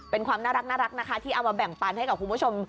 เป็นความน่ารักนะคะที่เอามาแบ่งปันให้กับคุณผู้ชม